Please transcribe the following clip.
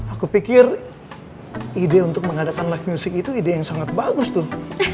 aku pikir ide untuk mengadakan live music itu ide yang sangat bagus tuh